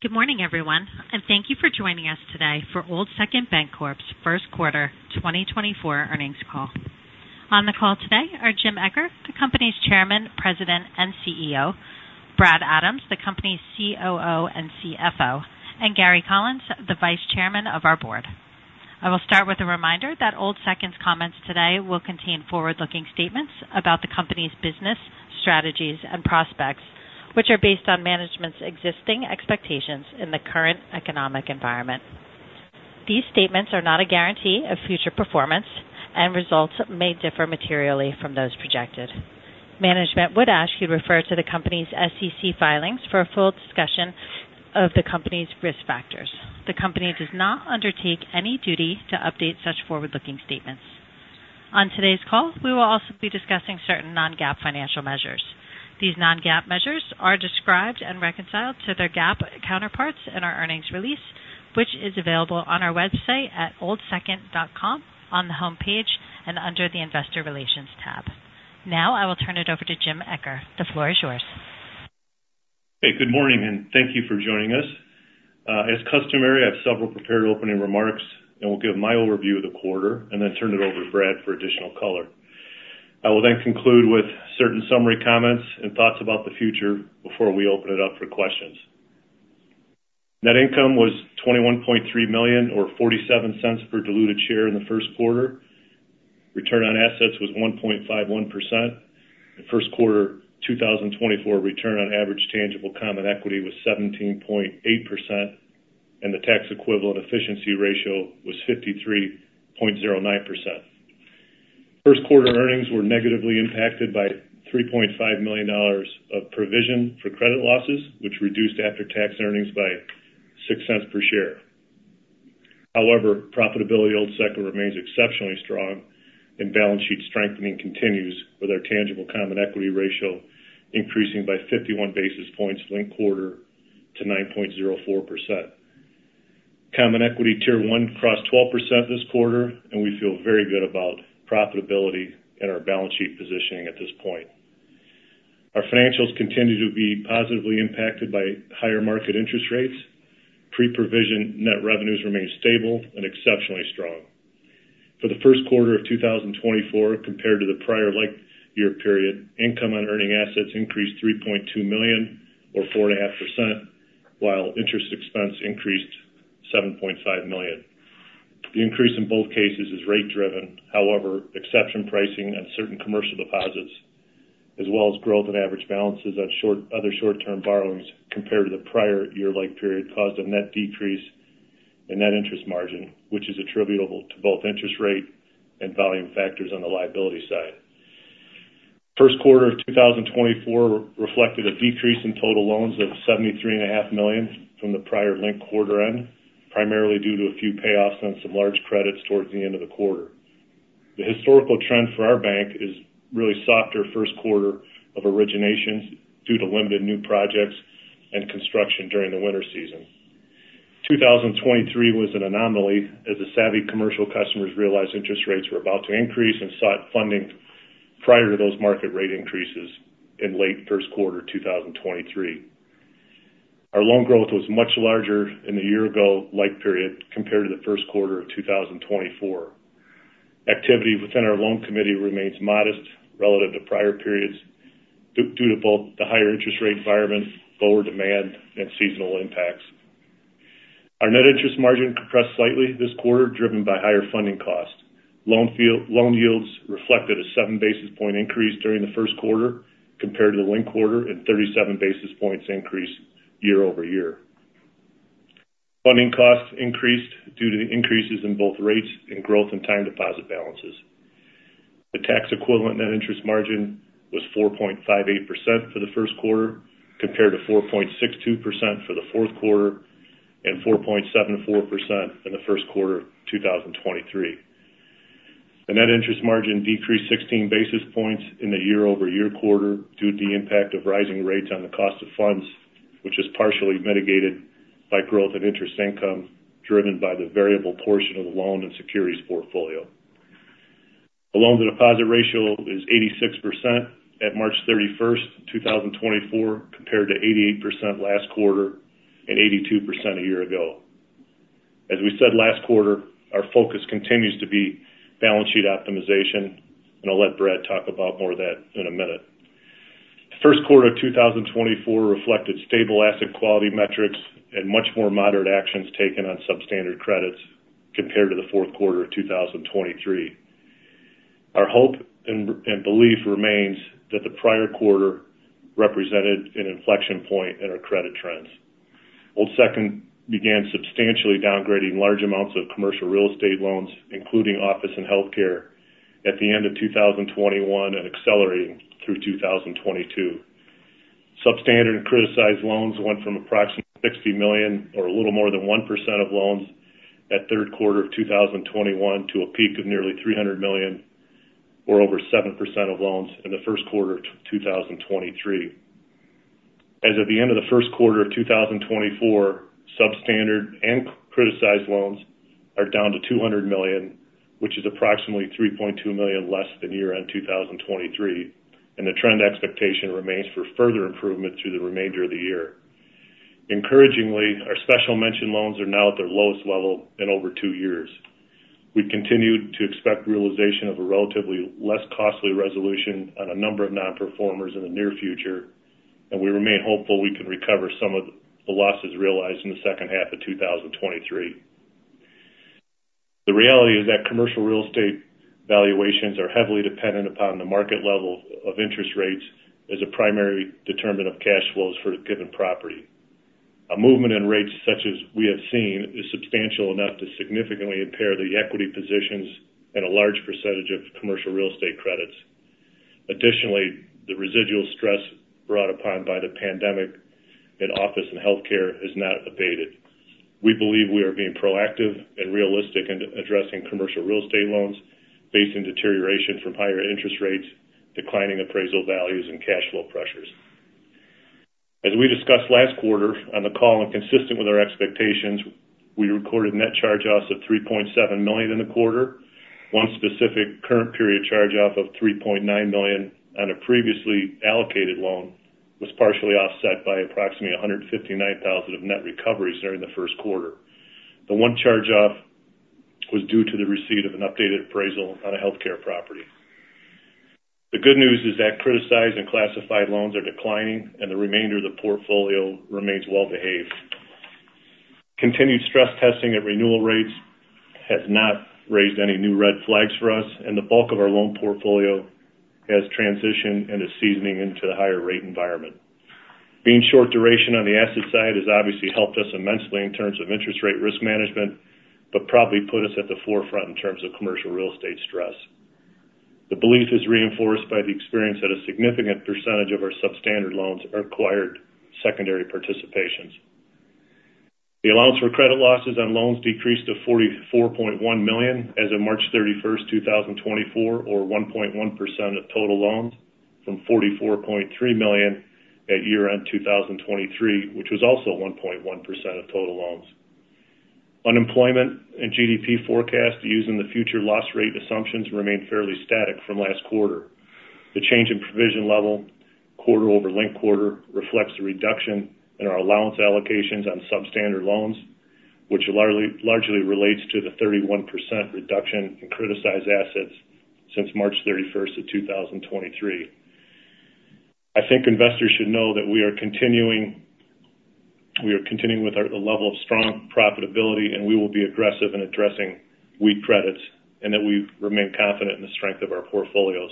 Good morning, everyone, and thank you for joining us today for Old Second Bancorp's first quarter 2024 earnings call. On the call today are Jim Eccher, the company's Chairman, President, and CEO, Brad Adams, the company's COO and CFO, and Gary Collins, the Vice Chairman of our board. I will start with a reminder that Old Second's comments today will contain forward-looking statements about the company's business strategies and prospects, which are based on management's existing expectations in the current economic environment. These statements are not a guarantee of future performance, and results may differ materially from those projected. Management would ask you to refer to the company's SEC filings for a full discussion of the company's risk factors. The company does not undertake any duty to update such forward-looking statements. On today's call, we will also be discussing certain Non-GAAP financial measures. These non-GAAP measures are described and reconciled to their GAAP counterparts in our earnings release, which is available on our website at oldsecond.com, on the homepage, and under the Investor Relations tab. Now I will turn it over to Jim Eccher. The floor is yours. Hey, good morning, and thank you for joining us. As customary, I have several prepared opening remarks, and we'll give my overview of the quarter and then turn it over to Brad for additional color. I will then conclude with certain summary comments and thoughts about the future before we open it up for questions. Net income was $21.3 million or $0.47 per diluted share in the first quarter. Return on assets was 1.51%. In first quarter 2024, return on average tangible common equity was 17.8%, and the tax equivalent efficiency ratio was 53.09%. First quarter earnings were negatively impacted by $3.5 million of provision for credit losses, which reduced after-tax earnings by $0.06 per share. However, profitability Old Second remains exceptionally strong, and balance sheet strengthening continues with our tangible common equity ratio increasing by 51 basis points linked quarter to 9.04%. Common equity tier one crossed 12% this quarter, and we feel very good about profitability and our balance sheet positioning at this point. Our financials continue to be positively impacted by higher market interest rates. Pre-provision net revenues remain stable and exceptionally strong. For the first quarter of 2024, compared to the prior-like year period, income on earning assets increased $3.2 million or 4.5%, while interest expense increased $7.5 million. The increase in both cases is rate-driven. However, exception pricing on certain commercial deposits, as well as growth on average balances on other short-term borrowings compared to the prior-like period, caused a net decrease in net interest margin, which is attributable to both interest rate and volume factors on the liability side. First quarter of 2024 reflected a decrease in total loans of $73.5 million from the prior linked quarter end, primarily due to a few payoffs on some large credits towards the end of the quarter. The historical trend for our bank is really softer first quarter of originations due to limited new projects and construction during the winter season. 2023 was an anomaly as the savvy commercial customers realized interest rates were about to increase and sought funding prior to those market rate increases in late first quarter 2023. Our loan growth was much larger in the year-ago-like period compared to the first quarter of 2024. Activity within our loan committee remains modest relative to prior periods due to both the higher interest rate environment, lower demand, and seasonal impacts. Our net interest margin compressed slightly this quarter, driven by higher funding costs. Loan yields reflected a 7 basis point increase during the first quarter compared to the linked quarter and 37 basis points increase year-over-year. Funding costs increased due to the increases in both rates and growth in time deposit balances. The tax equivalent net interest margin was 4.58% for the first quarter compared to 4.62% for the fourth quarter and 4.74% in the first quarter 2023. The net interest margin decreased 16 basis points in the year-over-year quarter due to the impact of rising rates on the cost of funds, which is partially mitigated by growth in interest income driven by the variable portion of the loan and securities portfolio. The loan-to-deposit ratio is 86% at March 31st, 2024, compared to 88% last quarter and 82% a year ago. As we said last quarter, our focus continues to be balance sheet optimization, and I'll let Brad talk about more of that in a minute. First quarter of 2024 reflected stable asset quality metrics and much more moderate actions taken on substandard credits compared to the fourth quarter of 2023. Our hope and belief remains that the prior quarter represented an inflection point in our credit trends. Old Second began substantially downgrading large amounts of commercial real estate loans, including office and healthcare, at the end of 2021 and accelerating through 2022. Substandard and criticized loans went from approximately $60 million or a little more than 1% of loans at third quarter of 2021 to a peak of nearly $300 million or over 7% of loans in the first quarter of 2023. As of the end of the first quarter of 2024, substandard and criticized loans are down to $200 million, which is approximately $3.2 million less than year-end 2023, and the trend expectation remains for further improvement through the remainder of the year. Encouragingly, our special mention loans are now at their lowest level in over two years. We continue to expect realization of a relatively less costly resolution on a number of non-performers in the near future, and we remain hopeful we can recover some of the losses realized in the second half of 2023. The reality is that commercial real estate valuations are heavily dependent upon the market level of interest rates as a primary determinant of cash flows for given property. A movement in rates such as we have seen is substantial enough to significantly impair the equity positions and a large percentage of commercial real estate credits. Additionally, the residual stress brought upon by the pandemic in office and healthcare has not abated. We believe we are being proactive and realistic in addressing commercial real estate loans facing deterioration from higher interest rates, declining appraisal values, and cash flow pressures. As we discussed last quarter on the call and consistent with our expectations, we recorded net charge-offs of $3.7 million in the quarter. One specific current period charge-off of $3.9 million on a previously allocated loan was partially offset by approximately $159,000 of net recoveries during the first quarter. The one charge-off was due to the receipt of an updated appraisal on a healthcare property. The good news is that criticized and classified loans are declining, and the remainder of the portfolio remains well-behaved. Continued stress testing at renewal rates has not raised any new red flags for us, and the bulk of our loan portfolio has transitioned and is seasoning into the higher rate environment. Being short duration on the asset side has obviously helped us immensely in terms of interest rate risk management but probably put us at the forefront in terms of commercial real estate stress. The belief is reinforced by the experience that a significant percentage of our substandard loans are acquired secondary participations. The allowance for credit losses on loans decreased to $44.1 million as of March 31st, 2024, or 1.1% of total loans from $44.3 million at year-end 2023, which was also 1.1% of total loans. Unemployment and GDP forecasts using the future loss rate assumptions remain fairly static from last quarter. The change in provision level quarter over linked quarter reflects the reduction in our allowance allocations on substandard loans, which largely relates to the 31% reduction in criticized assets since March 31st of 2023. I think investors should know that we are continuing with a level of strong profitability, and we will be aggressive in addressing weak credits and that we remain confident in the strength of our portfolios.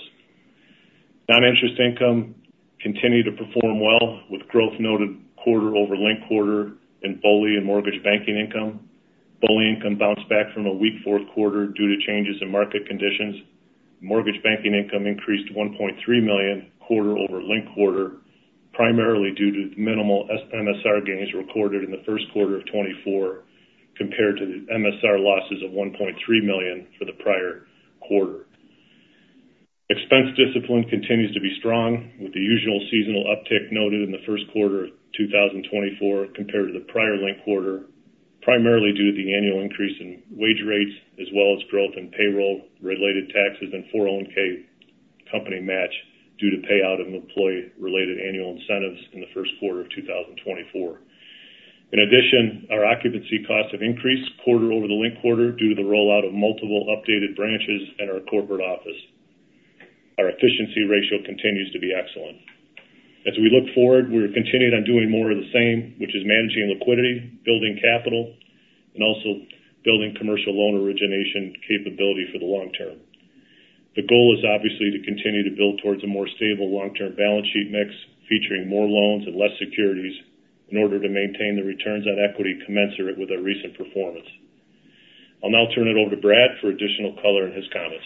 Non-interest income continued to perform well with growth noted quarter over linked quarter in BOLI and mortgage banking income. BOLI income bounced back from a weak fourth quarter due to changes in market conditions. Mortgage banking income increased $1.3 million quarter over linked quarter, primarily due to minimal MSR gains recorded in the first quarter of 2024 compared to the MSR losses of $1.3 million for the prior quarter. Expense discipline continues to be strong with the usual seasonal uptick noted in the first quarter of 2024 compared to the prior linked quarter, primarily due to the annual increase in wage rates as well as growth in payroll-related taxes and 401(k) company match due to payout of employee-related annual incentives in the first quarter of 2024. In addition, our occupancy costs have increased quarter over the linked quarter due to the rollout of multiple updated branches and our corporate office. Our efficiency ratio continues to be excellent. As we look forward, we're continuing on doing more of the same, which is managing liquidity, building capital, and also building commercial loan origination capability for the long term. The goal is obviously to continue to build towards a more stable long-term balance sheet mix featuring more loans and less securities in order to maintain the returns on equity commensurate with our recent performance. I'll now turn it over to Brad for additional color in his comments.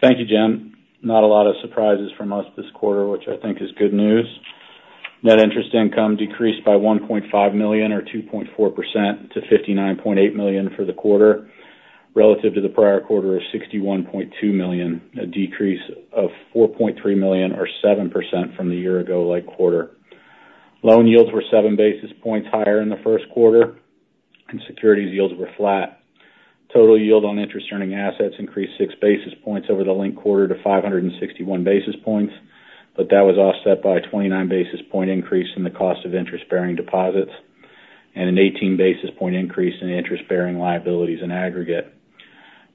Thank you, Jim. Not a lot of surprises for most this quarter, which I think is good news. Net interest income decreased by $1.5 million or 2.4% to $59.8 million for the quarter relative to the prior quarter of $61.2 million, a decrease of $4.3 million or 7% from the year-ago-like quarter. Loan yields were 7 basis points higher in the first quarter, and securities yields were flat. Total yield on interest-earning assets increased 6 basis points over the linked quarter to 561 basis points, but that was offset by a 29-basis-point increase in the cost of interest-bearing deposits and an 18-basis-point increase in interest-bearing liabilities in aggregate.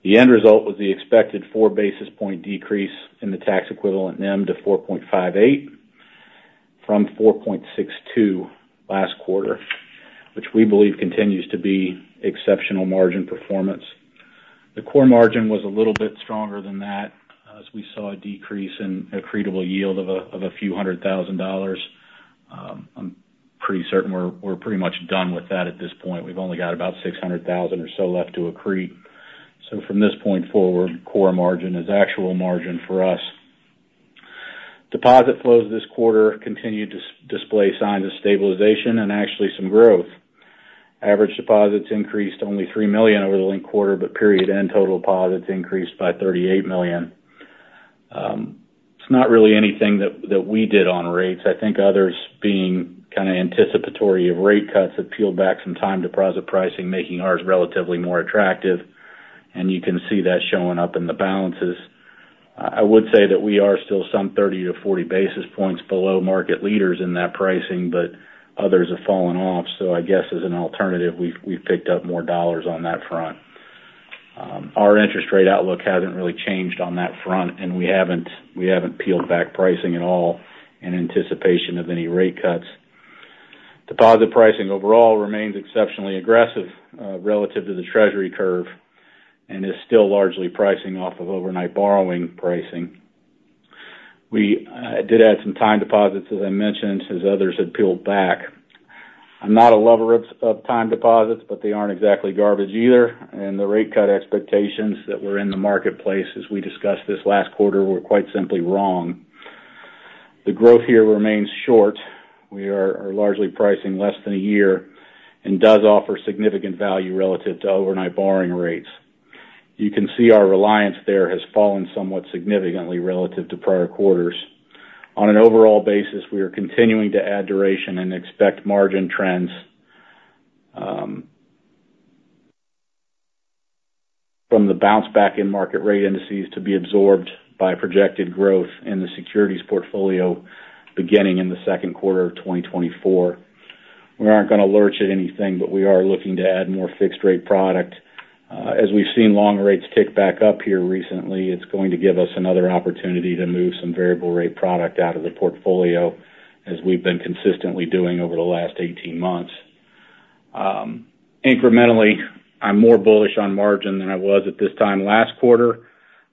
The end result was the expected 4-basis-point decrease in the tax equivalent NIM to 4.58 from 4.62 last quarter, which we believe continues to be exceptional margin performance. The core margin was a little bit stronger than that as we saw a decrease in accretable yield of a few $100,000. I'm pretty certain we're pretty much done with that at this point. We've only got about $600,000 or so left to accrete. So from this point forward, core margin is actual margin for us. Deposit flows this quarter continued to display signs of stabilization and actually some growth. Average deposits increased only $3 million over the linked quarter, but period-end total deposits increased by $38 million. It's not really anything that we did on rates. I think others being kind of anticipatory of rate cuts have peeled back some time deposit pricing, making ours relatively more attractive, and you can see that showing up in the balances. I would say that we are still some 30-40 basis points below market leaders in that pricing, but others have fallen off. So I guess as an alternative, we've picked up more dollars on that front. Our interest rate outlook hasn't really changed on that front, and we haven't peeled back pricing at all in anticipation of any rate cuts. Deposit pricing overall remains exceptionally aggressive relative to the Treasury curve and is still largely pricing off of overnight borrowing pricing. We did add some time deposits, as I mentioned, as others had peeled back. I'm not a lover of time deposits, but they aren't exactly garbage either. And the rate cut expectations that were in the marketplace, as we discussed this last quarter, were quite simply wrong. The growth here remains short. We are largely pricing less than a year and does offer significant value relative to overnight borrowing rates. You can see our reliance there has fallen somewhat significantly relative to prior quarters. On an overall basis, we are continuing to add duration and expect margin trends from the bounce-back-in-market rate indices to be absorbed by projected growth in the securities portfolio beginning in the second quarter of 2024. We aren't going to lurch at anything, but we are looking to add more fixed-rate product. As we've seen long rates tick back up here recently, it's going to give us another opportunity to move some variable-rate product out of the portfolio as we've been consistently doing over the last 18 months. Incrementally, I'm more bullish on margin than I was at this time last quarter,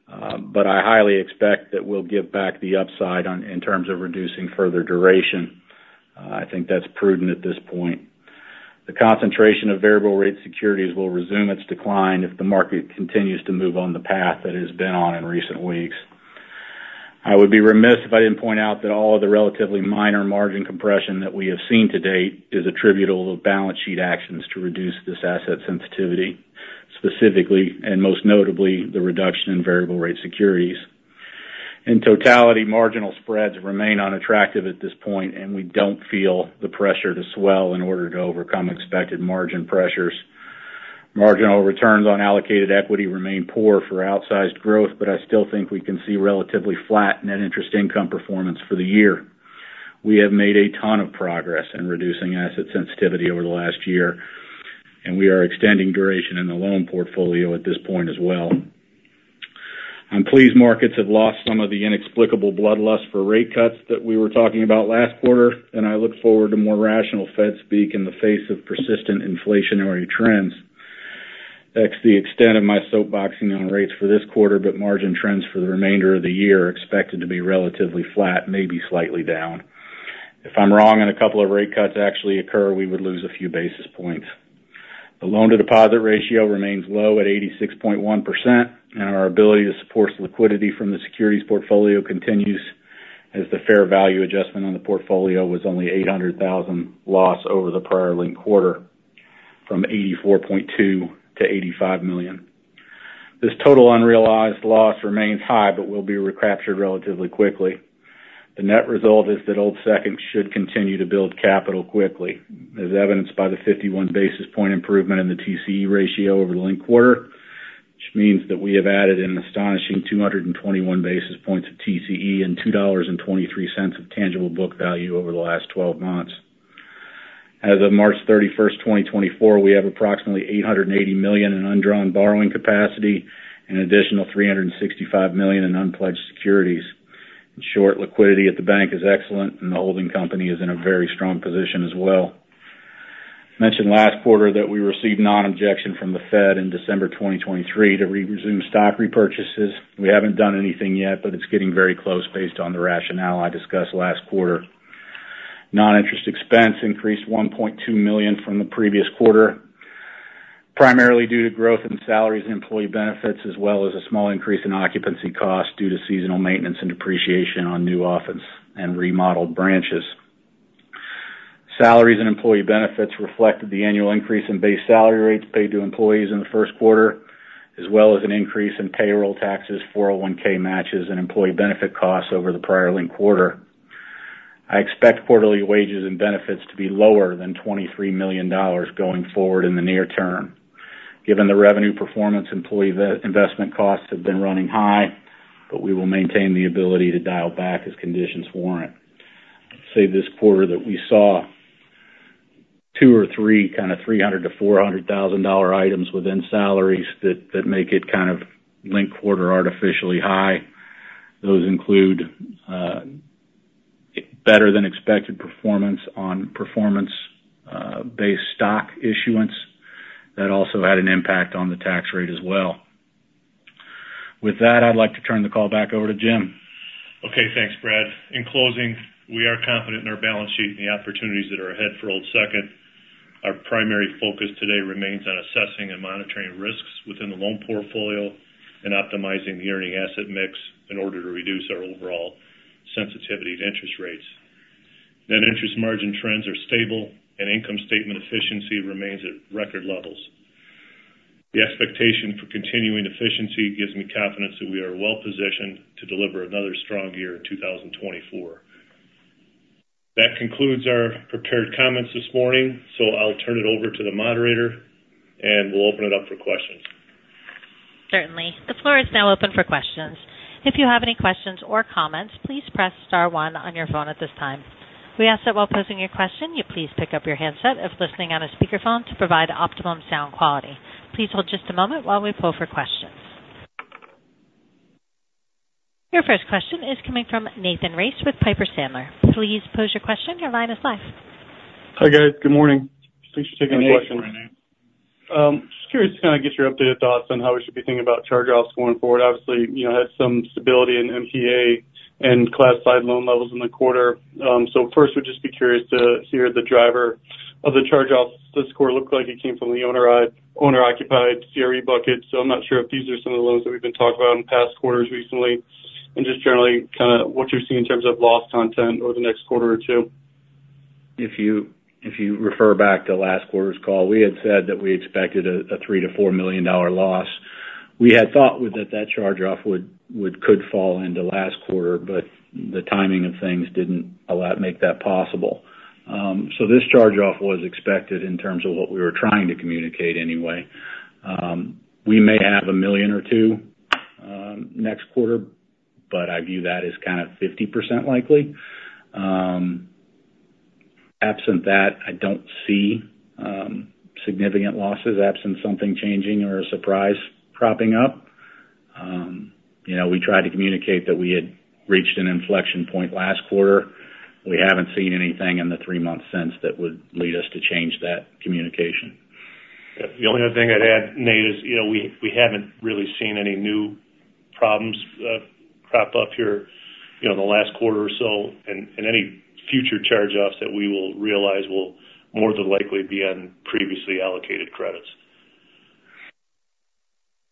but I highly expect that we'll give back the upside in terms of reducing further duration. I think that's prudent at this point. The concentration of variable-rate securities will resume its decline if the market continues to move on the path that it has been on in recent weeks. I would be remiss if I didn't point out that all of the relatively minor margin compression that we have seen to date is attributable to balance sheet actions to reduce this asset sensitivity, specifically and most notably, the reduction in variable-rate securities. In totality, marginal spreads remain unattractive at this point, and we don't feel the pressure to swell in order to overcome expected margin pressures. Marginal returns on allocated equity remain poor for outsized growth, but I still think we can see relatively flat net interest income performance for the year. We have made a ton of progress in reducing asset sensitivity over the last year, and we are extending duration in the loan portfolio at this point as well. I'm pleased markets have lost some of the inexplicable bloodlust for rate cuts that we were talking about last quarter, and I look forward to more rational Fed speak in the face of persistent inflationary trends. That's the extent of my soapboxing on rates for this quarter, but margin trends for the remainder of the year are expected to be relatively flat, maybe slightly down. If I'm wrong and a couple of rate cuts actually occur, we would lose a few basis points. The loan-to-deposit ratio remains low at 86.1%, and our ability to support liquidity from the securities portfolio continues as the fair value adjustment on the portfolio was only $800,000 loss over the prior linked quarter from $84.2 million to $85 million. This total unrealized loss remains high but will be recaptured relatively quickly. The net result is that Old Second should continue to build capital quickly, as evidenced by the 51 basis point improvement in the TCE ratio over the linked quarter, which means that we have added an astonishing 221 basis points of TCE and $2.23 of tangible book value over the last 12 months. As of March 31st, 2024, we have approximately $880 million in undrawn borrowing capacity and an additional $365 million in unpledged securities. In short, liquidity at the bank is excellent, and the holding company is in a very strong position as well. I mentioned last quarter that we received non-objection from the Fed in December 2023 to resume stock repurchases. We haven't done anything yet, but it's getting very close based on the rationale I discussed last quarter. Non-interest expense increased $1.2 million from the previous quarter, primarily due to growth in salaries and employee benefits as well as a small increase in occupancy costs due to seasonal maintenance and depreciation on new office and remodeled branches. Salaries and employee benefits reflected the annual increase in base salary rates paid to employees in the first quarter as well as an increase in payroll taxes, 401(k) matches, and employee benefit costs over the prior linked quarter. I expect quarterly wages and benefits to be lower than $23 million going forward in the near term. Given the revenue performance, employee investment costs have been running high, but we will maintain the ability to dial back as conditions warrant. I'd say this quarter that we saw two or three kind of $300,000-$400,000 items within salaries that make it kind of linked quarter artificially high. Those include better than expected performance on performance-based stock issuance that also had an impact on the tax rate as well. With that, I'd like to turn the call back over to Jim. Okay. Thanks, Brad. In closing, we are confident in our balance sheet and the opportunities that are ahead for Old Second. Our primary focus today remains on assessing and monitoring risks within the loan portfolio and optimizing the earning asset mix in order to reduce our overall sensitivity to interest rates. Net interest margin trends are stable, and income statement efficiency remains at record levels. The expectation for continuing efficiency gives me confidence that we are well positioned to deliver another strong year in 2024. That concludes our prepared comments this morning, so I'll turn it over to the moderator, and we'll open it up for questions. Certainly. The floor is now open for questions. If you have any questions or comments, please press star one on your phone at this time. We ask that while posing your question, you please pick up your handset if listening on a speakerphone to provide optimum sound quality. Please hold just a moment while we pull for questions. Your first question is coming from Nathan Race with Piper Sandler. Please pose your question. Your line is live. Hi, guys. Good morning. Thanks for taking the question. Hi. Good morning Renee. Just curious to kind of get your updated thoughts on how we should be thinking about charge-offs going forward. Obviously, had some stability in NPA and C&I side loan levels in the quarter. So first, we'd just be curious to hear the driver of the charge-offs this quarter looked like. It came from the owner-occupied CRE bucket, so I'm not sure if these are some of the loans that we've been talking about in past quarters recently and just generally kind of what you're seeing in terms of loss content over the next quarter or two. If you refer back to last quarter's call, we had said that we expected a $3-$4 million loss. We had thought that that charge-off could fall into last quarter, but the timing of things didn't allow make that possible. So this charge-off was expected in terms of what we were trying to communicate anyway. We may have $1 million or $2 million next quarter, but I view that as kind of 50% likely. Absent that, I don't see significant losses. Absent something changing or a surprise propping up. We tried to communicate that we had reached an inflection point last quarter. We haven't seen anything in the three months since that would lead us to change that communication. The only other thing I'd add, Nate, is we haven't really seen any new problems crop up here in the last quarter or so, and any future charge-offs that we will realize will more than likely be on previously allocated credits.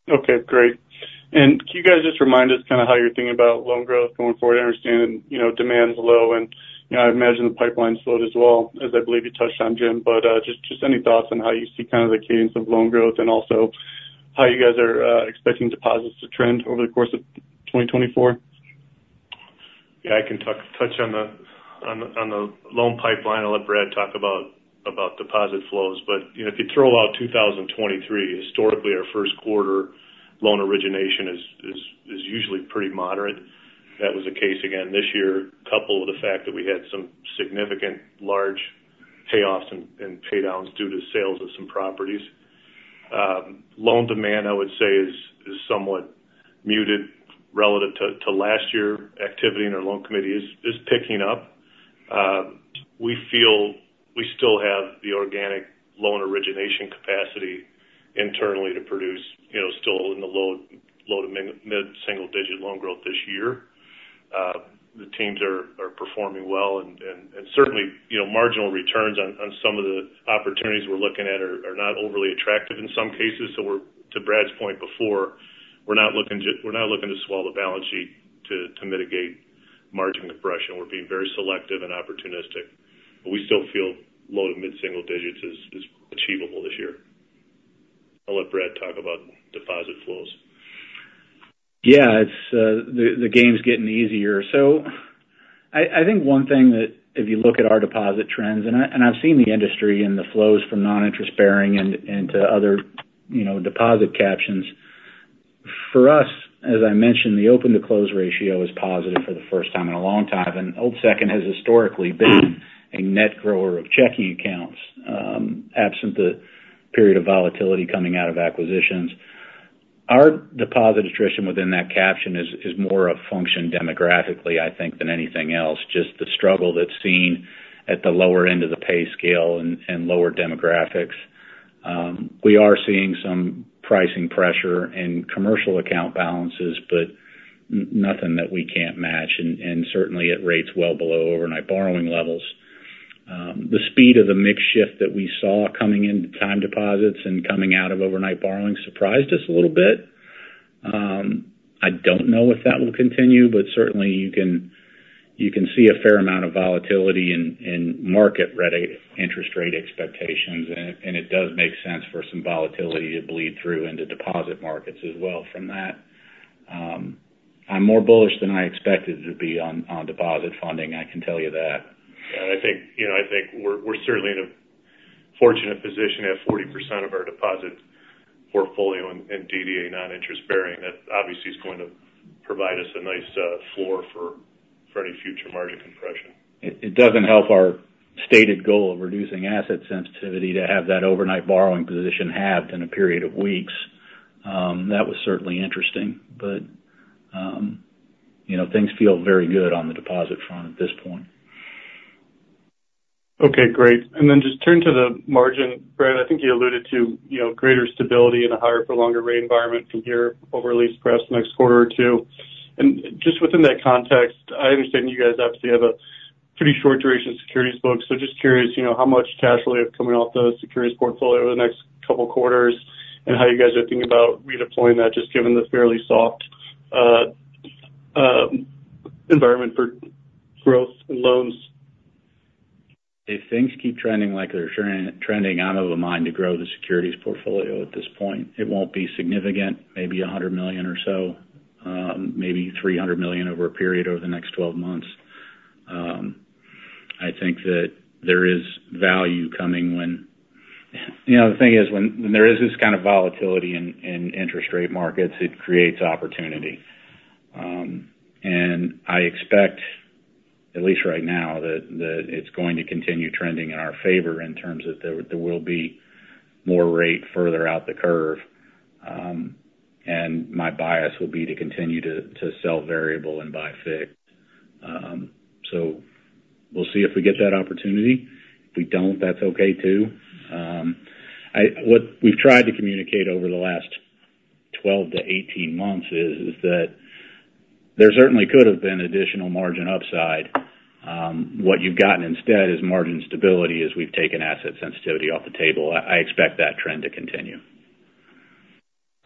Okay. Great. Can you guys just remind us kind of how you're thinking about loan growth going forward? I understand demand's low, and I imagine the pipeline's slowed as well, as I believe you touched on, Jim, but just any thoughts on how you see kind of the cadence of loan growth and also how you guys are expecting deposits to trend over the course of 2024? Yeah. I can touch on the loan pipeline. I'll let Brad talk about deposit flows. But if you throw out 2023, historically, our first quarter loan origination is usually pretty moderate. That was the case again this year, coupled with the fact that we had some significant large payoffs and paydowns due to sales of some properties. Loan demand, I would say, is somewhat muted relative to last year. Activity in our loan committee is picking up. We feel we still have the organic loan origination capacity internally to produce still in the low to mid-single digit loan growth this year. The teams are performing well, and certainly, marginal returns on some of the opportunities we're looking at are not overly attractive in some cases. So to Brad's point before, we're not looking to swallow the balance sheet to mitigate margin compression. We're being very selective and opportunistic, but we still feel low to mid-single digits is achievable this year. I'll let Brad talk about deposit flows. Yeah. The game's getting easier. So I think one thing that if you look at our deposit trends and I've seen the industry and the flows from non-interest bearing into other deposit captions. For us, as I mentioned, the open-to-close ratio is positive for the first time in a long time, and Old Second has historically been a net grower of checking accounts absent the period of volatility coming out of acquisitions. Our deposit attrition within that caption is more a function demographically, I think, than anything else, just the struggle that's seen at the lower end of the pay scale and lower demographics. We are seeing some pricing pressure in commercial account balances, but nothing that we can't match, and certainly, at rates well below overnight borrowing levels. The speed of the mix shift that we saw coming into time deposits and coming out of overnight borrowing surprised us a little bit. I don't know if that will continue, but certainly, you can see a fair amount of volatility in market interest rate expectations, and it does make sense for some volatility to bleed through into deposit markets as well from that. I'm more bullish than I expected it to be on deposit funding. I can tell you that. Yeah. And I think we're certainly in a fortunate position to have 40% of our deposit portfolio in DDA non-interest bearing. That obviously is going to provide us a nice floor for any future margin compression. It doesn't help our stated goal of reducing asset sensitivity to have that overnight borrowing position halved in a period of weeks. That was certainly interesting, but things feel very good on the deposit front at this point. Okay. Great. And then just turn to the margin, Brad. I think you alluded to greater stability in a higher-for-longer rate environment from here over at least perhaps the next quarter or two. And just within that context, I understand you guys obviously have a pretty short duration securities book, so just curious how much cash will you have coming off the securities portfolio over the next couple of quarters and how you guys are thinking about redeploying that just given the fairly soft environment for growth and loans. If things keep trending like they're trending, I'm of a mind to grow the securities portfolio at this point. It won't be significant, maybe $100 million or so, maybe $300 million over a period over the next 12 months. I think that there is value coming when the thing is, when there is this kind of volatility in interest rate markets, it creates opportunity. And I expect, at least right now, that it's going to continue trending in our favor in terms of there will be more rate further out the curve, and my bias will be to continue to sell variable and buy fixed. So we'll see if we get that opportunity. If we don't, that's okay too. What we've tried to communicate over the last 12-18 months is that there certainly could have been additional margin upside. What you've gotten instead is margin stability as we've taken asset sensitivity off the table. I expect that trend to continue.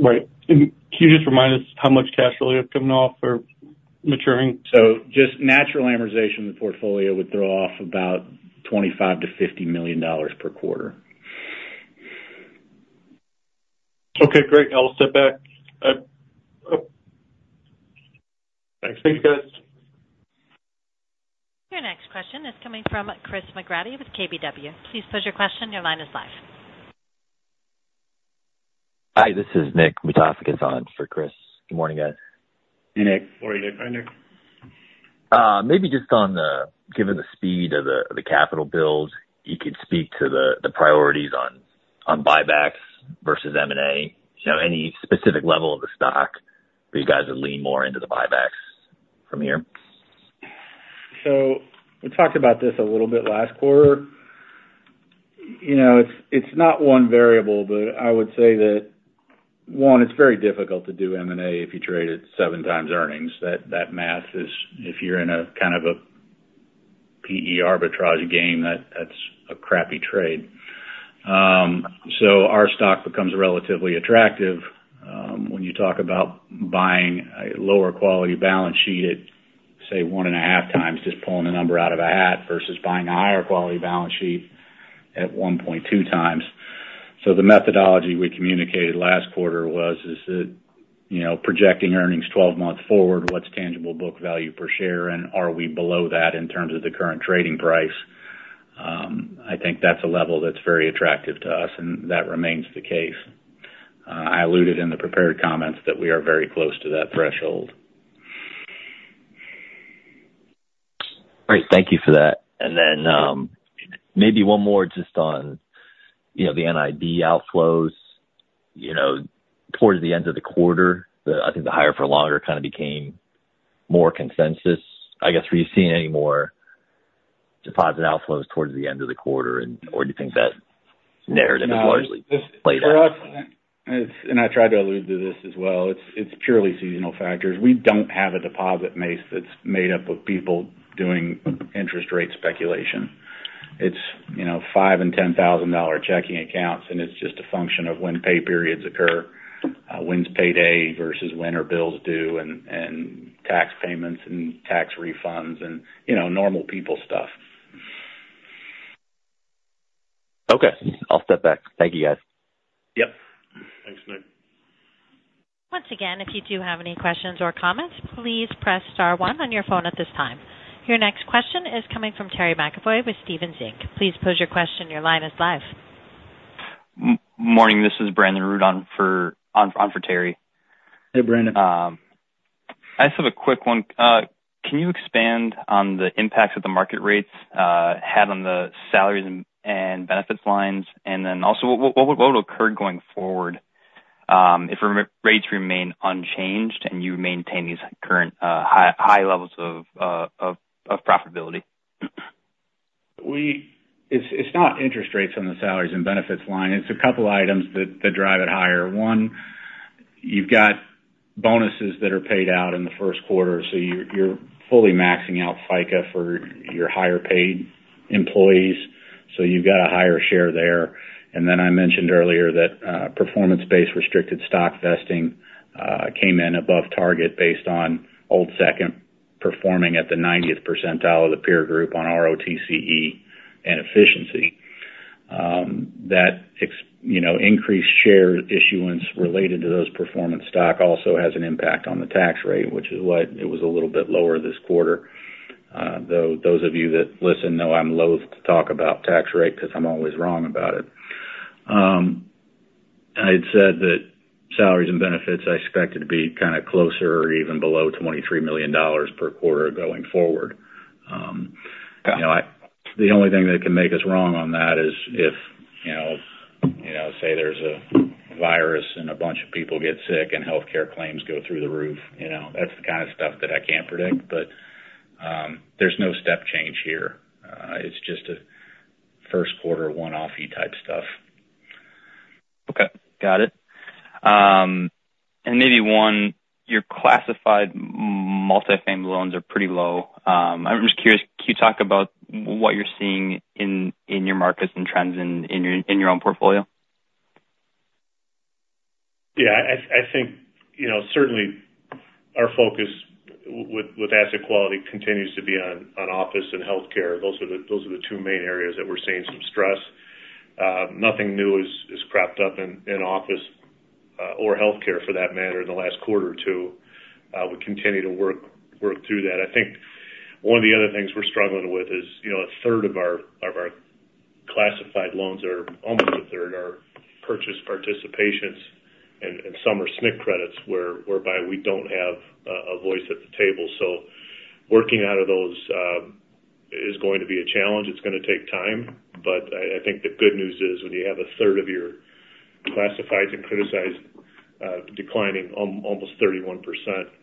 Right. Can you just remind us how much cash will you have coming off or maturing? Just natural amortization of the portfolio would draw off about $25 million-$50 million per quarter. Okay. Great. I'll step back. Thanks. Thank you, guys. Your next question is coming from Chris McGratty with KBW. Please pose your question. Your line is live. Hi. This is Nick Matejka for Chris. Good morning, guys. Hey, Nick. Hi, Nick. Maybe just given the speed of the capital build, you could speak to the priorities on buybacks versus M&A. Any specific level of the stock where you guys would lean more into the buybacks from here? So we talked about this a little bit last quarter. It's not one variable, but I would say that, one, it's very difficult to do M&A if you trade it 7x earnings. That math is, if you're in kind of a PE arbitrage game, that's a crappy trade. So our stock becomes relatively attractive when you talk about buying a lower quality balance sheet at, say, 1.5 times, just pulling a number out of a hat versus buying a higher quality balance sheet at 1.2 times. So the methodology we communicated last quarter was projecting earnings 12 months forward, what's tangible book value per share, and are we below that in terms of the current trading price? I think that's a level that's very attractive to us, and that remains the case. I alluded in the prepared comments that we are very close to that threshold. Great. Thank you for that. And then maybe one more just on the NIB outflows. Towards the end of the quarter, I think the higher-for-longer kind of became more consensus. I guess, were you seeing any more deposit outflows towards the end of the quarter, or do you think that narrative is largely played out? I tried to allude to this as well. It's purely seasonal factors. We don't have a deposit base that's made up of people doing interest rate speculation. It's $5,000 and $10,000 checking accounts, and it's just a function of when pay periods occur, when's payday versus when are bills due, and tax payments and tax refunds and normal people stuff. Okay. I'll step back. Thank you, guys. Yep. Thanks, Nick. Once again, if you do have any questions or comments, please press star one on your phone at this time. Your next question is coming from Terry McAvoy with Stephens Inc. Please pose your question. Your line is live. Morning. This is Brandon Rud on for Terry. Hey, Brandon. I just have a quick one. Can you expand on the impacts that the market rates had on the salaries and benefits lines? And then also, what would occur going forward if rates remain unchanged and you maintain these current high levels of profitability? It's not interest rates on the salaries and benefits line. It's a couple of items that drive it higher. One, you've got bonuses that are paid out in the first quarter, so you're fully maxing out FICA for your higher-paid employees, so you've got a higher share there. And then I mentioned earlier that performance-based restricted stock vesting came in above target based on Old Second performing at the 90th percentile of the peer group on ROTCE and efficiency. That increased share issuance related to those performance stock also has an impact on the tax rate, which is why it was a little bit lower this quarter. Though those of you that listen know I'm loath to talk about tax rate because I'm always wrong about it. I had said that salaries and benefits I expected to be kind of closer or even below $23 million per quarter going forward. The only thing that can make us wrong on that is if, say, there's a virus and a bunch of people get sick and healthcare claims go through the roof. That's the kind of stuff that I can't predict, but there's no step change here. It's just a first quarter one-off-y type stuff. Okay. Got it. And maybe one, your classified multifamily loans are pretty low. I'm just curious, can you talk about what you're seeing in your markets and trends in your own portfolio? Yeah. I think certainly, our focus with asset quality continues to be on office and healthcare. Those are the two main areas that we're seeing some stress. Nothing new is cropped up in office or healthcare, for that matter, in the last quarter or two. We continue to work through that. I think one of the other things we're struggling with is a third of our classified loans are almost a third are purchased participations, and some are SNC credits, whereby we don't have a voice at the table. So working out of those is going to be a challenge. It's going to take time, but I think the good news is when you have a third of your classifieds and criticized declining almost 31%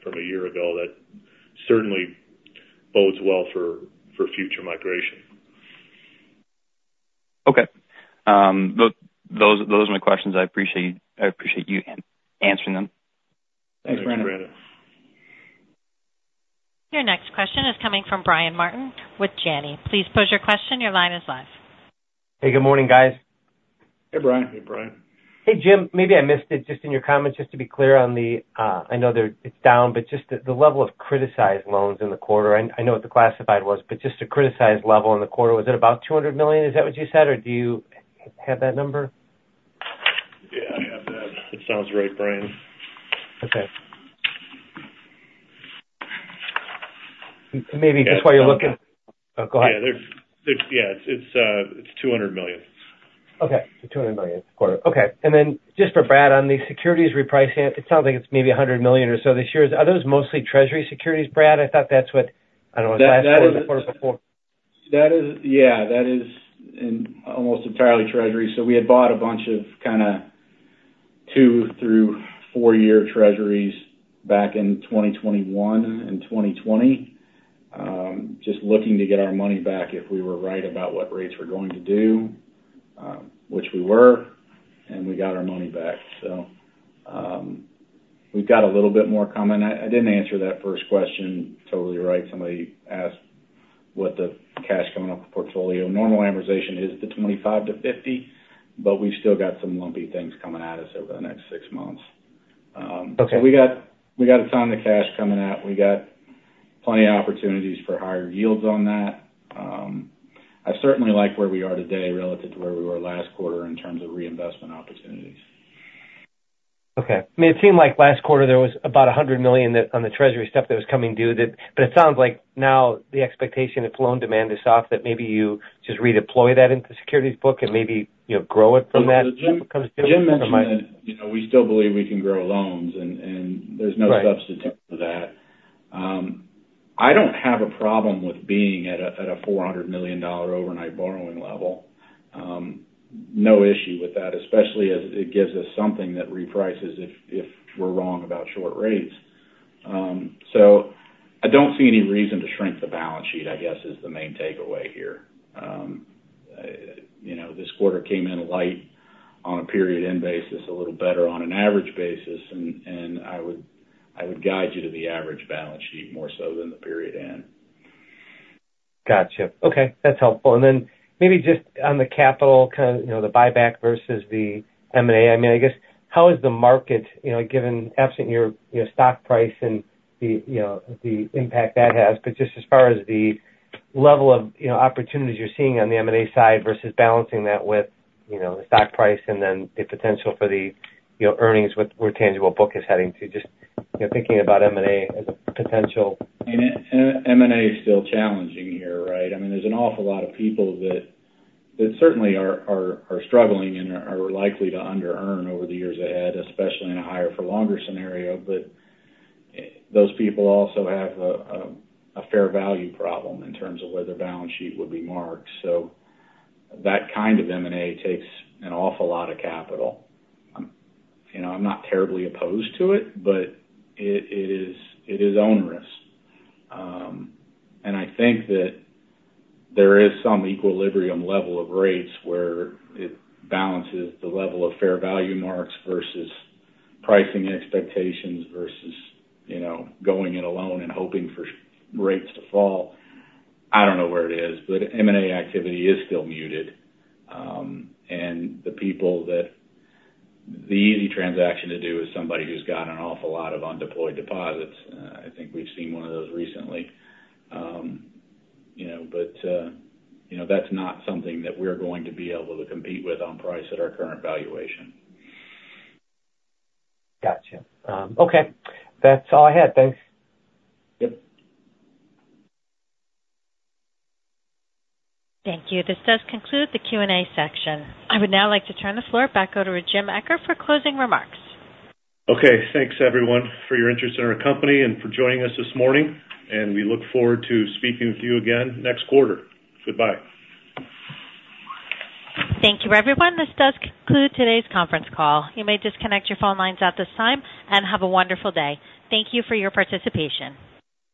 from a year ago, that certainly bodes well for future migration. Okay. Those are my questions. I appreciate you answering them. Thanks, Brandon. Thanks, Brandon. Your next question is coming from Brian Martin with Janney. Please pose your question. Your line is live. Hey. Good morning, guys. Hey, Brian. Hey, Brian. Hey, Jim. Maybe I missed it just in your comments. Just to be clear on the—I know it's down, but just the level of criticized loans in the quarter. I know what the classified was, but just the criticized level in the quarter, was it about $200 million? Is that what you said, or do you have that number? Yeah. I have that. It sounds right, Brian. Okay. And maybe just while you're looking, oh, go ahead. Yeah. Yeah. It's $200 million. Okay. So $200 million this quarter. Okay. And then just for Brad on the securities repricing, it sounds like it's maybe $100 million or so this year. Are those mostly Treasury securities, Brad? I thought that's what I don't know if it was last quarter or the quarter before. Yeah. That is almost entirely Treasury. So we had bought a bunch of kind of two to three-year Treasuries back in 2021 and 2020, just looking to get our money back if we were right about what rates were going to do, which we were, and we got our money back. So we've got a little bit more coming. I didn't answer that first question totally right. Somebody asked what the cash coming off the portfolio. Normal amortization is the 25-50, but we've still got some lumpy things coming at us over the next six months. So we got a ton of cash coming out. We got plenty of opportunities for higher yields on that. I certainly like where we are today relative to where we were last quarter in terms of reinvestment opportunities. Okay. I mean, it seemed like last quarter, there was about $100 million on the Treasury stuff that was coming due, but it sounds like now the expectation if loan demand is off that maybe you just redeploy that into securities book and maybe grow it from that. No, but Jim mentioned that we still believe we can grow loans, and there's no substitute for that. I don't have a problem with being at a $400 million overnight borrowing level. No issue with that, especially as it gives us something that reprices if we're wrong about short rates. So I don't see any reason to shrink the balance sheet, I guess, is the main takeaway here. This quarter came in light on a period-end basis, a little better on an average basis, and I would guide you to the average balance sheet more so than the period-end. Gotcha. Okay. That's helpful. Then maybe just on the capital, kind of the buyback versus the M&A, I mean, I guess, how is the market, given absent your stock price and the impact that has, but just as far as the level of opportunities you're seeing on the M&A side versus balancing that with the stock price and then the potential for the earnings where tangible book is heading to, just thinking about M&A as a potential? I mean, M&A is still challenging here, right? I mean, there's an awful lot of people that certainly are struggling and are likely to under-earn over the years ahead, especially in a higher-for-longer scenario, but those people also have a fair value problem in terms of where their balance sheet would be marked. So that kind of M&A takes an awful lot of capital. I'm not terribly opposed to it, but it is onerous. And I think that there is some equilibrium level of rates where it balances the level of fair value marks versus pricing expectations versus going in alone and hoping for rates to fall. I don't know where it is, but M&A activity is still muted, and the easy transaction to do is somebody who's got an awful lot of undeployed deposits. I think we've seen one of those recently, but that's not something that we're going to be able to compete with on price at our current valuation. Gotcha. Okay. That's all I had. Thanks. Yep. Thank you. This does conclude the Q&A section. I would now like to turn the floor back over to Jim Eccher for closing remarks. Okay. Thanks, everyone, for your interest in our company and for joining us this morning, and we look forward to speaking with you again next quarter. Goodbye. Thank you, everyone. This does conclude today's conference call. You may disconnect your phone lines at this time and have a wonderful day. Thank you for your participation.